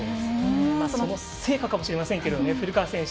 その成果かもしれませんけど古川選手